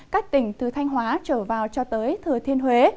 các tỉnh từ thanh hóa trở vào cho tới thừa thiên huế